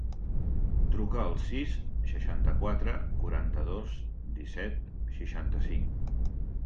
Truca al sis, seixanta-quatre, quaranta-dos, disset, seixanta-cinc.